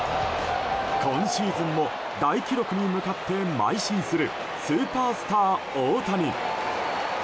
今シーズンも大記録に向かってまい進するスーパースター大谷。